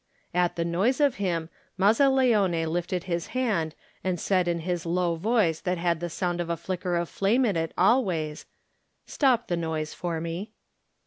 At the noise of him, Mazzaleone lifted his hand and said in his low voice that had the sound of a flicker of flame in it always: "Stop the noise for me."